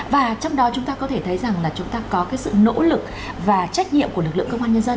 và trong đó chúng ta có thể thấy rằng là chúng ta có cái sự nỗ lực và trách nhiệm của lực lượng công an nhân dân